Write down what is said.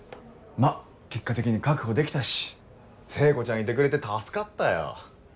まぁ結果的に確保できたし聖子ちゃんいてくれて助かったよ。